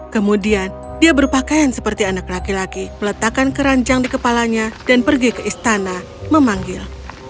kemudian dia berpakaian seperti anak laki laki meletakkan keranjang di kepalanya dan pergi ke istana memanggil